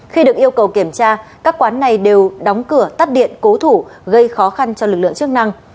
khi được yêu cầu kiểm tra các quán này đều đóng cửa tắt điện cố thủ gây khó khăn cho lực lượng chức năng